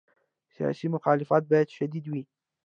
سیاسي مخالفت باید شدید وي.